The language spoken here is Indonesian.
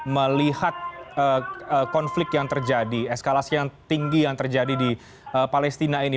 melihat konflik yang terjadi eskalasi yang tinggi yang terjadi di palestina ini